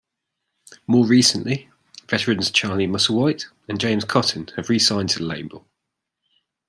More recently, veterans Charlie Musselwhite and James Cotton have re-signed to the label.